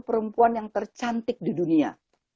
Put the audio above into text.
perempuan yang tercantik di dunia